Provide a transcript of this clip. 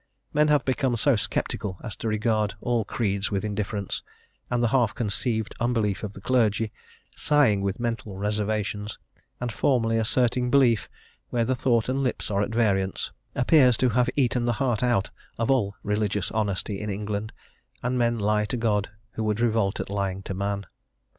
Men have become so sceptical as to regard all creeds with indifference, and the half conceived unbelief of the clergy, sighing with mental reservations, and formally asserting belief where the thought and the lips are at variance, appears to have eaten the heart out of all religious honesty in England, and men lie to God who would revolt at lying to man.